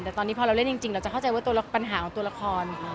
แต่ตอนนี้พอเราเล่นจริงเราจะเข้าใจว่าตัวปัญหาของตัวละคร